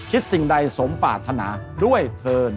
สิ่งใดสมปรารถนาด้วยเทิน